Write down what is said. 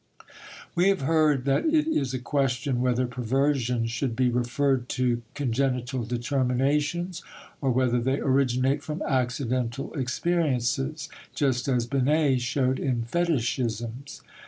We have heard that it is a question whether perversions should be referred to congenital determinations or whether they originate from accidental experiences, just as Binet showed in fetichisms.